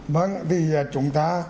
vâng thì chúng ta